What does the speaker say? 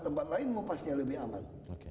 tempat lain ngupasnya lebih aman